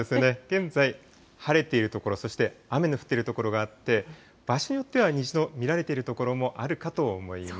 現在晴れている所、そして雨の降っている所があって、場所によっては虹の見られている所もあるかと思います。